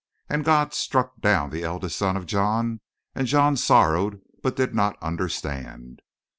And God struck down the eldest son of John, and John sorrowed, but did not understand.